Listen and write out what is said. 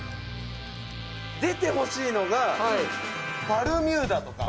「出てほしいのがバルミューダとか」